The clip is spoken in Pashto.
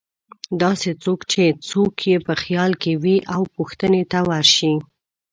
داسې څوک چې څوک یې په خیال کې وې او پوښتنې ته ورشي.